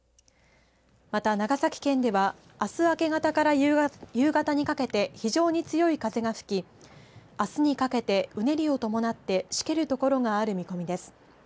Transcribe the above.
また、長崎県ではあす明け方から夕方にかけて非常に強い風が吹きあすにかけてうねりを伴ってしける所がある見込みです。